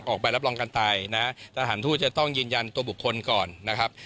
ออกไปรับรองการตายนะสถานทูตจะต้องยืนยันตัวบุคคลก่อนนะครับ